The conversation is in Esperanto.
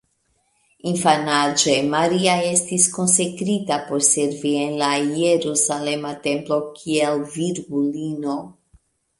Infanaĝe, Maria estis konsekrita por servi en la jerusalema templo kiel virgulino.